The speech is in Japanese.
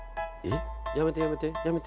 やめてやめてやめて。